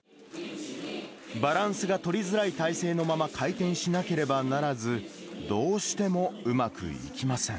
バランスが取りづらい体勢のまま回転しなければならず、どうしてもうまくいきません。